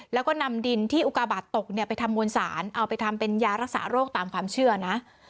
แล้วก็นำดินที่อุกาบาทตกเนี่ยไปทำมวลสารเอาไปทำเป็นยารักษาโรคตามความเชื่อนะ